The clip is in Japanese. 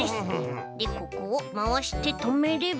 でここをまわしてとめれば。